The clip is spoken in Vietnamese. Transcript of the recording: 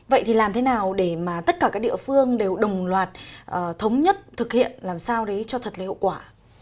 vậy thì làm thế nào để mà tất cả các địa phương đều đồng loạt thống nhất thực hiện làm sao đấy cho thật lấy hậu quả